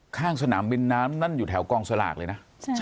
ข้างสนามบินน้ำนั่นอยู่แถวกองสลากเลยนะ